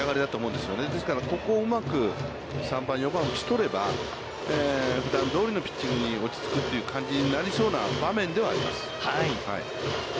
ですから、ここをうまく、３番、４番を打ち取れば、ふだんどおりのピッチングに落ちつくという感じになりそうな場面ではあります。